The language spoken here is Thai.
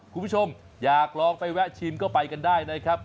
คุณผู้ชมอยากลองไปแวะชิมก็ไปกันได้นะครับ